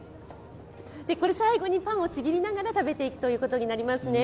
これ、最後にパンをちぎりながら食べていくということになります。